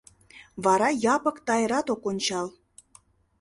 Вара Япык Тайрат ок ончал.